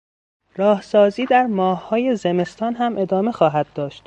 راهسازی در ماههای زمستان هم ادامه خواهد داشت.